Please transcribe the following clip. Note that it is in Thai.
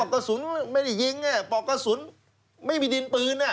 กระสุนไม่ได้ยิงปลอกกระสุนไม่มีดินปืน